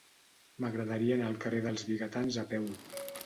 M'agradaria anar al carrer dels Vigatans a peu.